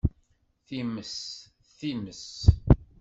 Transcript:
Times, times!